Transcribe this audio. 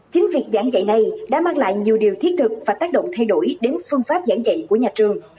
chính việc giảng dạy này đã mang lại nhiều điều thiết thực và tác động thay đổi đến phương pháp giảng dạy của nhà trường